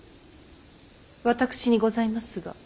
私にございますが。